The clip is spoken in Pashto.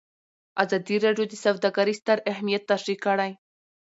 ازادي راډیو د سوداګري ستر اهميت تشریح کړی.